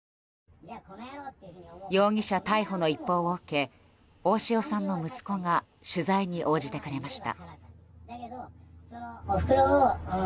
容疑者逮捕の一報を受け大塩さんの息子が取材に応じてくれました。